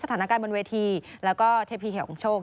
สถานการณ์บนเวทีแล้วก็เทพีแห่งโชค